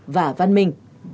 và văn minh